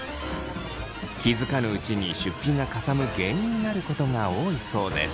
気付かぬうちに出費がかさむ原因になることが多いそうです。